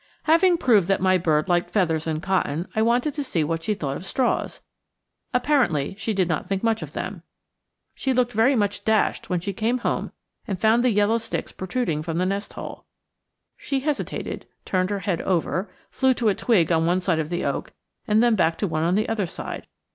Having proved that my bird liked feathers and cotton, I wanted to see what she thought of straws. Apparently she did not think much of them. She looked very much dashed when she came home and found the yellow sticks protruding from the nest hole. She hesitated, turned her head over, flew to a twig on one side of the oak and then back to one on the other side.